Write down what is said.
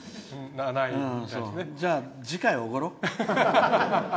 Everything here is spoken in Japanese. じゃあ次回、おごろう。